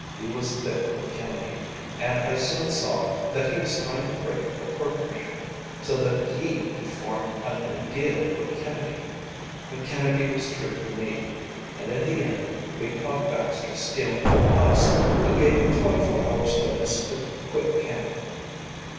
He was thick with Kennedy, and I soon saw that he was trying to break up the partnership, so that he could form a new deal with Kennedy. But Kennedy was true to me, and in the end we caught Baxter stealing from us, and gave him twenty four hours' notice to quit camp.